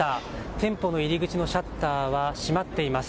店舗の入り口のシャッターは閉まっています。